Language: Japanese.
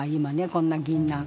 こんなぎんなん。